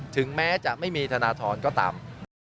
ถึงแม้จะไม่มีธนทรก็ตาม